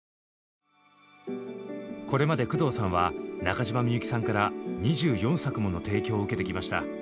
これまで工藤さんは中島みゆきさんから２４作もの提供を受けてきました。